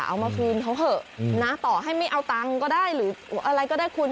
เอามาคืนเขาเถอะนะต่อให้ไม่เอาตังค์ก็ได้หรืออะไรก็ได้คุณ